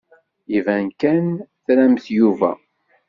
Iban kan tramt Yuba.